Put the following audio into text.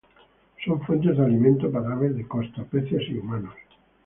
Son fuente de alimento para aves de costa, peces y humanos.